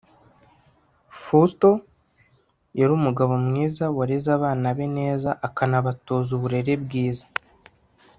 Fousto yarumugabo mwiza wareze abana be neza akanabatoza uburere bwiza